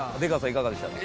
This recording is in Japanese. いかがでしたか？